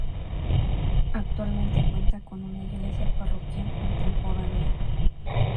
Actualmente cuenta con una iglesia parroquial contemporánea.